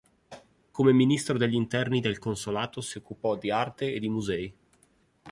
Come Ministro degli interni del Consolato si occupò di arte e di musei.